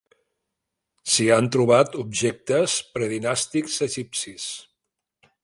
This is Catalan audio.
S'hi han trobat objectes predinàstics egipcis.